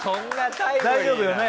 大丈夫よね？